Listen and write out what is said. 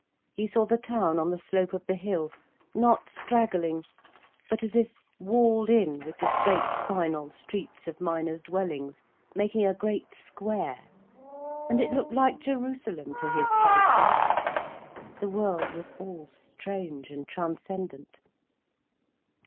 He saw the town on the slope of the hill, not straggling, but as if walled in with the straight, final streets of miners' dwellings, making a great square, and it looked like Jerusalem to his fancy. The world was all strange and transcendent.